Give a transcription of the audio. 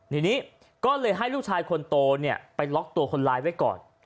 ทีนี้ก็เลยให้ลูกชายคนโตเนี่ยไปล็อกตัวคนร้ายไว้ก่อน